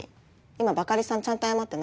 今バカリさんちゃんと謝ってないよ？